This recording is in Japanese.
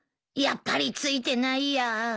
やっぱりついてないや。